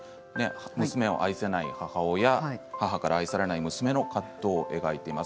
娘を愛せない母親母から愛されない娘のことを描いています。